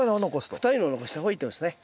太いのを残した方がいいってことですね。